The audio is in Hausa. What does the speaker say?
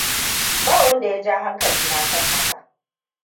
Ba wanda ya ja hankali na kan haka.